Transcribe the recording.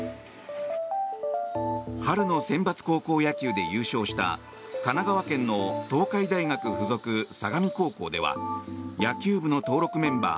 春のセンバツ高校野球で優勝した神奈川県の東海大学付属相模高校では野球部の登録メンバー